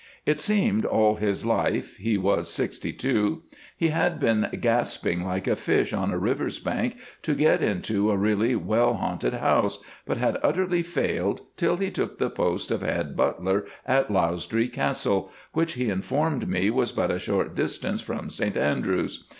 It seemed all his life—he was 62—he had been gasping like a fish on a river's bank to get into a really well haunted house, but had utterly failed till he took the post of head butler at Lausdree Castle, which he informed me was but a short distance from St Andrews.